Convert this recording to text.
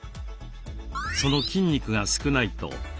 その筋肉が少ないと。